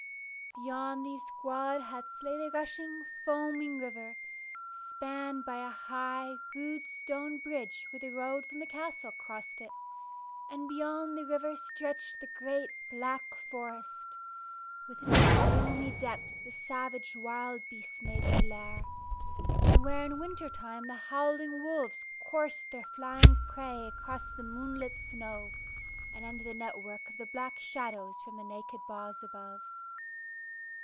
Beyond these squalid huts lay the rushing, foaming river, spanned by a high, rude, stone bridge where the road from the castle crossed it, and beyond the river stretched the great, black forest, within whose gloomy depths the savage wild beasts made their lair, and where in winter time the howling wolves coursed their flying prey across the moonlit snow and under the net work of the black shadows from the naked boughs above.